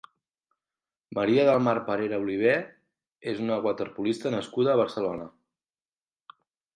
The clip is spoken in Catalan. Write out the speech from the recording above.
Maria del Mar Parera Olivé és una waterpolista nascuda a Barcelona.